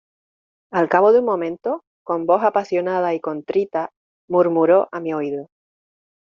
al cabo de un momento, con voz apasionada y contrita , murmuró a mi oído: